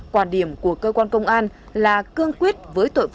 quả điểm của cơ quan công an là cương quyết với tội phụ